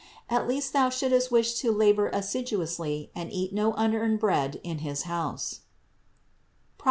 At least thou shouldst wish to labor assiduously and eat no unearned bread in his house (Prov.